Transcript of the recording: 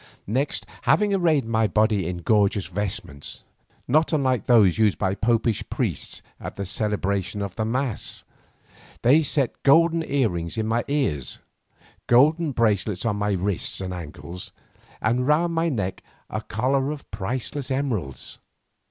Next, having arrayed my body in gorgeous vestments not unlike those used by popish priests at the celebration of the mass, they set golden earrings in my ears, golden bracelets on my wrists and ankles, and round my neck a collar of priceless emeralds.